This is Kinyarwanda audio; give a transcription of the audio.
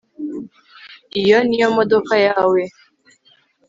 iyo niyo modoka yawe